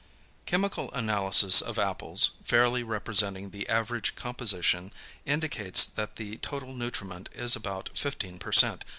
Chemical analysis of apples, fairly representing the average composition, indicates that the total nutriment is about fifteen per cent.